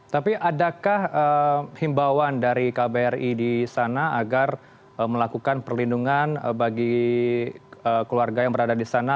tapi adakah himbauan dari kbri di sana agar melakukan perlindungan bagi keluarga yang berada di sana